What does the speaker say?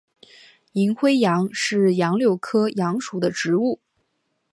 银灰杨是杨柳科杨属的植物。